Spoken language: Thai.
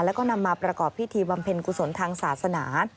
แล้วก็นำมาประกอบพิธีบำเพ็ญกุศลทางศาสนา